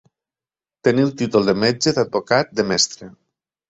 Tenir el títol de metge, d'advocat, de mestre.